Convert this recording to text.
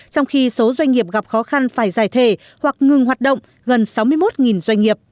trong khi số doanh nghiệp gặp khó khăn phải giải thể hoặc ngừng hoạt động gần sáu mươi một doanh nghiệp